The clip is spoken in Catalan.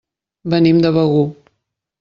Venim de Begur.